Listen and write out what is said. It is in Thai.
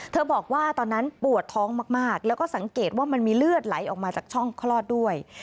บอกว่าตอนนั้นปวดท้องมากแล้วก็สังเกตว่ามันมีเลือดไหลออกมาจากช่องคลอดด้วย